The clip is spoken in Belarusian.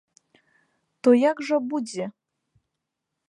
То як жа будзе?